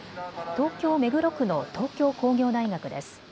東京目黒区の東京工業大学です。